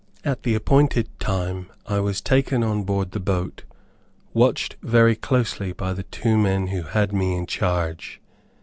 At the appointed time, I was taken on board the boat, watched very closely by the two men who had me in charge.